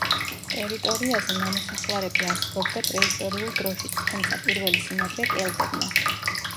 ტერიტორიაზე ნამოსახლარები არსებობდა პრეისტორიულ დროშიც, თუმცა პირველი სიმაგრე კელტებმა.